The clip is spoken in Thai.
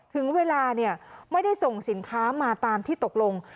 ถึงเวลาไม่ได้ส่งสินค้ามาตามที่ตกลง